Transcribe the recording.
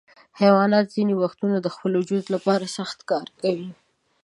حیوانات ځینې وختونه د خپل وجود لپاره سخت کار کوي.